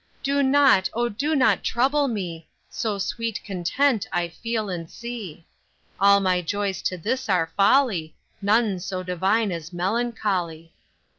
Do not, O do not trouble me, So sweet content I feel and see. All my joys to this are folly, None so divine as melancholy.